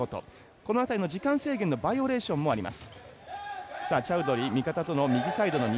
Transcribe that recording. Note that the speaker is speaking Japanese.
この辺りの時間制限のバイオレーションもあります。